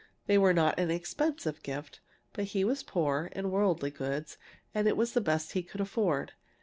They were not an expensive gift, but he was poor, in worldly goods, and it was the best he could afford.